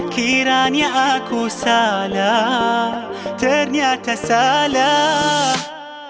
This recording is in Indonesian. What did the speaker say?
kiranya aku salah ternyata salah